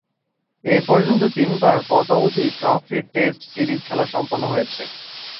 এ পর্যন্ত তিনবার পতৌদি ট্রফি’র টেস্ট সিরিজ খেলা সম্পন্ন হয়েছে।